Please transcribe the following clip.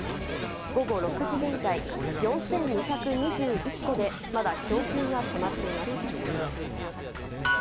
午後６時現在、４２２１戸でまだ供給が止まっています。